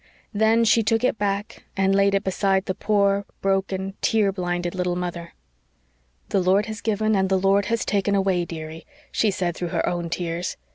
Then she took it back and laid it beside the poor, broken, tear blinded little mother. "The Lord has given and the Lord has taken away, dearie," she said through her own tears.